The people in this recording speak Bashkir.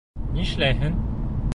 Нишләйһең.